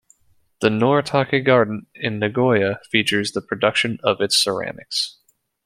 The Noritake Garden in Nagoya features the production of its ceramics.